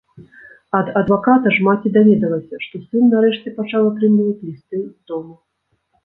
Ад адваката ж маці даведалася, што сын нарэшце пачаў атрымліваць лісты з дому.